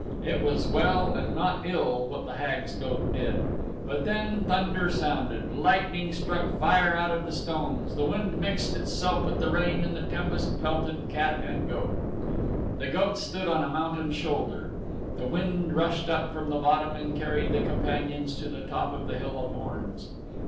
It was well and not ill what the Hag's goat did. But then thunder sounded; lightning struck fire out of the stones, the wind mixed itself with the rain and the tempest pelted cat and goat. The goat stood on a mountain shoulder. The wind rushed up from the bottom and carried the companions to the top of the Hill of Horns.